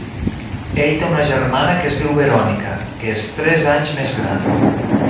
Ell té una germana que es diu Veronica, que és tres anys més gran.